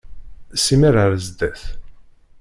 Simmal ar zdat.